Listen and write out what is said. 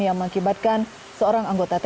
yang mengakibatkan seorang anggota tni